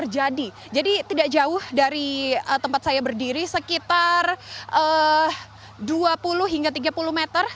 jadi tidak jauh dari tempat saya berdiri sekitar dua puluh hingga tiga puluh meter